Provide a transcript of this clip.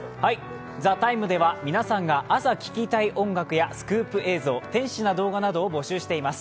「ＴＨＥＴＩＭＥ，」では皆さんが朝聴きたい音楽やスクープ映像、天使な動画などを募集しています。